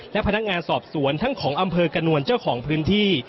และพนักงานสอบสวนทั้งของอำเภอกระนวลเจ้าของพื้นที่